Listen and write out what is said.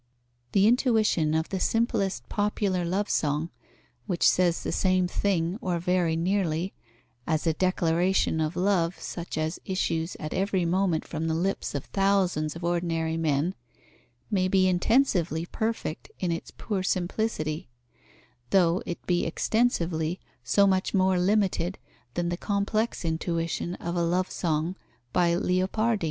The intuition of the simplest popular love song, which says the same thing, or very nearly, as a declaration of love such as issues at every moment from the lips of thousands of ordinary men, may be intensively perfect in its poor simplicity, although it be extensively so much more limited than the complex intuition of a love song by Leopardi.